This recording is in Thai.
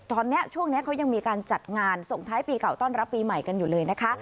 ตอนนี้ช่วงนี้เขายังมีการจัดงานส่งท้ายปีเก่าต้อนรับปีใหม่กันอยู่เลยนะคะ